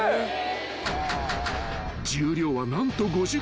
［重量は何と５０ｋｇ］